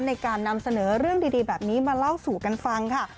ในการนำเสนอเรื่องดีแบบนี้มาเล่าสู่กันฟังค่ะ